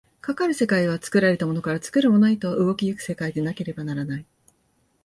かかる世界は作られたものから作るものへと動き行く世界でなければならない。